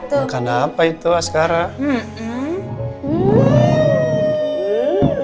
makan apa itu sekarang